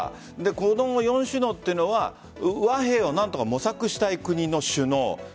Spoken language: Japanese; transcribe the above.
この４首脳というのは和平を何とか模索したい国の首脳。